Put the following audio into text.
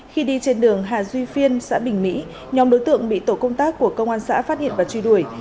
khi đi trên đường hà duy phiên xã bình mỹ nhóm đối tượng bị tổ công tác của công an xã phát hiện và truy đuổi